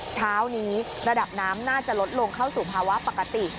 เช้านี้ระดับน้ำน่าจะลดลงเข้าสู่ภาวะปกติ